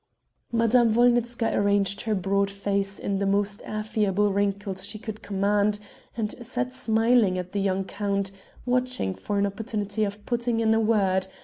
Madame Wolnitzka arranged her broad face in the most affable wrinkles she could command, and sat smiling at the young count, watching for an opportunity of putting in a word.